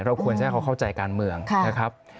ควรจะให้เขาเข้าใจการเมืองนะครับ